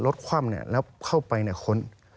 รถคว่ำเนี่ยแล้วเข้าไปเนี่ยค้น